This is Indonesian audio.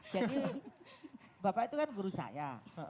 jadi bapak itu kan guru saya